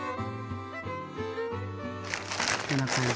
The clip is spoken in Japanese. こんな感じ。